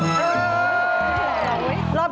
มีผัวแล้วค่ะ